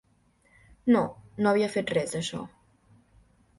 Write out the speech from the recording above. No, no havia fet res d'això.